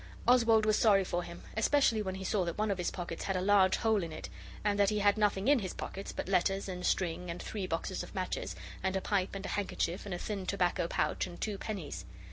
Oswald was sorry for him, especially when he saw that one of his pockets had a large hole in it, and that he had nothing in his pockets but letters and string and three boxes of matches, and a pipe and a handkerchief and a thin tobacco pouch and two pennies.